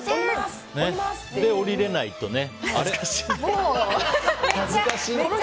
それで、降りられないとね。